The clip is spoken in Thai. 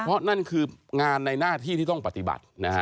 เพราะนั่นคืองานในหน้าที่ที่ต้องปฏิบัตินะฮะ